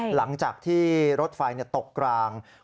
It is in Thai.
หลังจากที่รถไฟมันตกราง